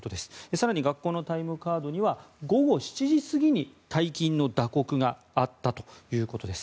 更に学校のタイムカードには午後７時過ぎに退勤の打刻があったということです。